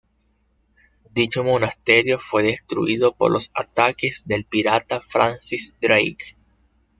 Dicho monasterio fue destruido por los ataques del pirata Francis Drake.